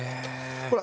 ほら。